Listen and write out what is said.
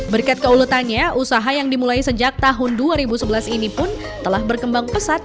berkat keuletannya usaha yang dimulai sejak tahun dua ribu sebelas ini pun telah berkembang pesat